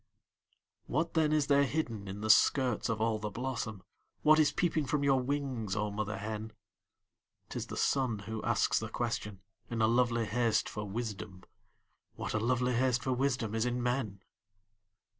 What then is there hidden in the skirts of all the blossom, What is peeping from your wings, oh mother hen? 'T is the sun who asks the question, in a lovely haste for wisdom What a lovely haste for wisdom is in men?